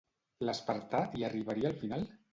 L'espartà hi arribaria al final?